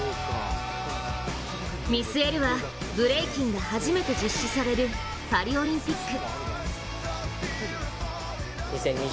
見据えるは、ブレイキンが初めて実施されるパリオリンピック。